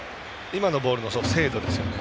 今のボールの精度ですよね。